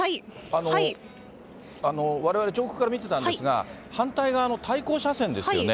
われわれ、上空から見てたんですが、反対側の対向車線ですよね。